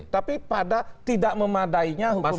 tapi pada tidak memadainya hukum yang ada